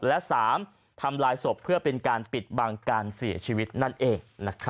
และ๓ทำลายศพเพื่อเป็นการปิดบังการเสียชีวิตนั่นเอง